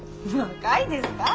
若いですか？